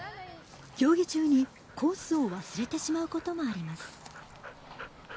競技中にコースを忘れてしまうこともあります。